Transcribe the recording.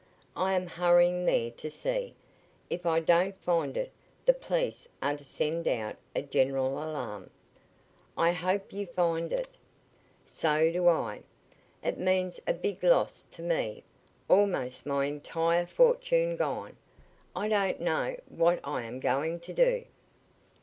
I am hurrying there to see. If I don't find it, the police are to send out a general alarm." "I hope you find it." "So do I. It means a big loss to me almost my entire fortune gone. I don't know what I am going to do."